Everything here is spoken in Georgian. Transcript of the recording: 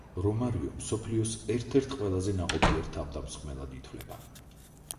რომარიო მსოფლიოს ერთ-ერთ ყველაზე ნაყოფიერ თავდამსხმელად ითვლება.